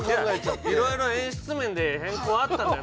色々演出面で変更あったんだよ。